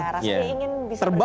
rasanya ingin bisa bergabung